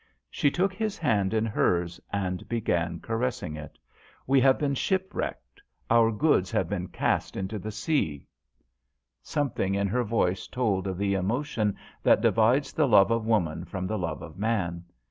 She took his hand in hers, and began caressing it. " We have been shipwrecked. Our goods have been cast into the sea." I 70 JOHN SHERMAN. Something in her voice told of the emotion that divides the love of woman from the love of man.